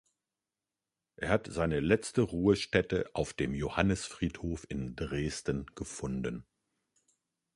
Er hat seine letzte Ruhestätte auf dem Johannisfriedhof in Dresden gefunden.